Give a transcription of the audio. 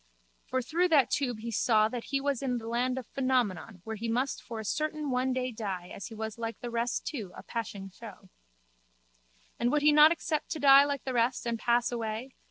For through that tube he saw that he was in the land of Phenomenon where he must for a certain one day die as he was like the rest too a passing show. And would he not accept to die like the rest and pass away?